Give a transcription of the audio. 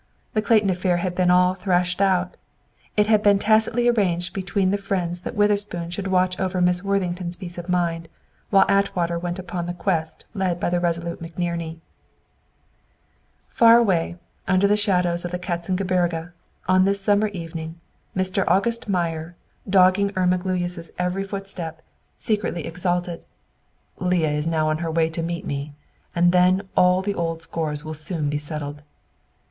The Clayton affair had been all threshed out! It had been tacitly arranged between the friends that Witherspoon should watch over Miss Worthington's peace of mind, while Atwater went upon the quest led by the resolute McNerney. Far away under the shadows of the Katzen Gebirge, on this summer evening, Mr. August Meyer, dogging Irma Gluyas' every footstep, secretly exulted. "Leah is now on her way to meet me! And then all the old scores will be soon settled!"